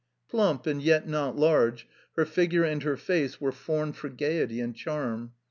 Plump, and yet not large, her figure and her face were formed for gaiety and charm.